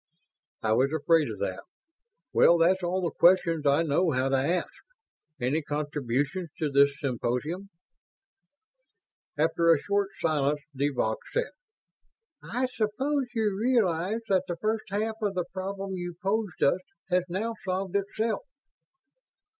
"I was afraid of that. Well, that's all the questions I know how to ask. Any contributions to this symposium?" After a short silence de Vaux said, "I suppose you realize that the first half of the problem you posed us has now solved itself?"